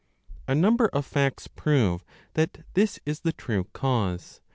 A number of facts prove that this is the true cause.